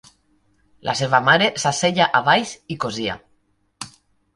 La seva mare s'asseia a baix i cosia.